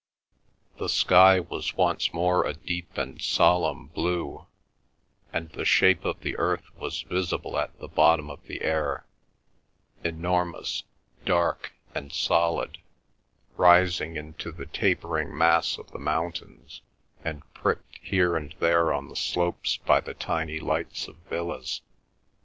The sky was once more a deep and solemn blue, and the shape of the earth was visible at the bottom of the air, enormous, dark, and solid, rising into the tapering mass of the mountain, and pricked here and there on the slopes by the tiny lights of villas.